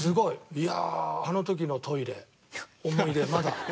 いやあの時のトイレ思い出まだありますね。